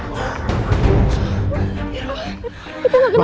kita gak kenal